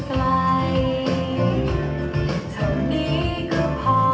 แต่บอกเธอดีบางครั้ง